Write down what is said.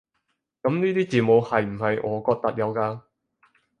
噉呢啲字母係唔係俄國特有㗎？